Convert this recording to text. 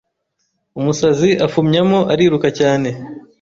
Umusazi afumyamo ariruka cyane